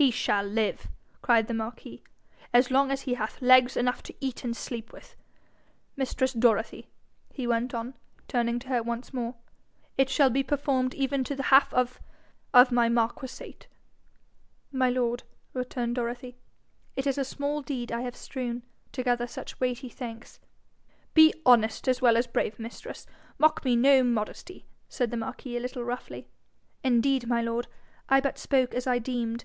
'He shall live,' cried the marquis, 'as long as he hath legs enough to eat and sleep with. Mistress Dorothy,' he went on, turning to her once more, 'what is thy request? It shall be performed even to the half of of my marquisate.' 'My lord,' returned Dorothy, 'it is a small deed I have strewn to gather such weighty thanks.' 'Be honest as well as brave, mistress. Mock me no modesty.' said the marquis a little roughly. 'Indeed, my lord, I but spoke as I deemed.